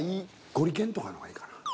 ゴリけんとかの方がいいかな。